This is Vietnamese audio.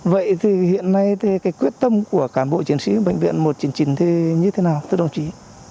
vậy thì hiện nay thì cái quyết tâm của cán bộ chiến sĩ bệnh viện một chương trình như thế nào thưa đồng chí